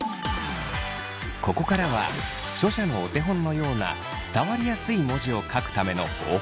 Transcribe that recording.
ここからは書写のお手本のような伝わりやすい文字を書くための方法について。